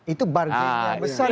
itu bargain yang besar